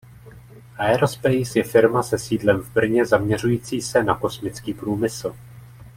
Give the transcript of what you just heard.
Aerospace je firma se sídlem v Brně zaměřující se na kosmický průmysl.